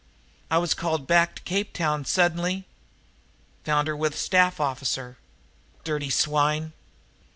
I was called back to Cape Town s'denly found her with staff officer dirty swine!